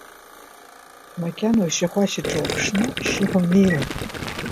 Макьана ушьахәашьаҿа уаԥшны, ашьшьыҳәа унеила!